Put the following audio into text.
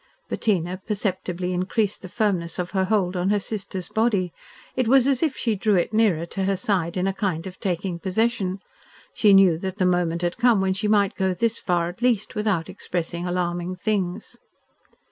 Bettina perceptibly increased the firmness of her hold on her sister's body. It was as if she drew it nearer to her side in a kind of taking possession. She knew that the moment had come when she might go this far, at least, without expressing alarming things.